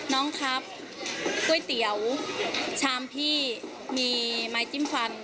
น้องครับก๋วยเตี๋ยวชามพี่มีไม้จิ้มฟัน